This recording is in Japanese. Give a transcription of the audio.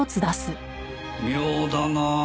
妙だなあ。